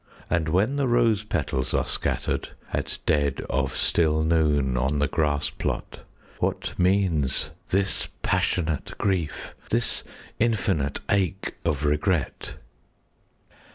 And when the rose petals are scattered 5 At dead of still noon on the grass plot, What means this passionate grief,— This infinite ache of regret?